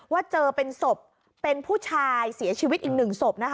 ว่าเจอเป็นศพเป็นผู้ชายเสียชีวิตอีก๑ศพ